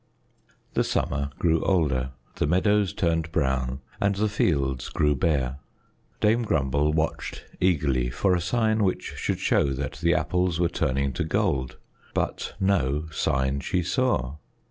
The summer grew older; the meadows turned brown, and the fields grew bare. Dame Grumble watched eagerly for a sign which would show that the apples were turning to gold; but no sign she saw.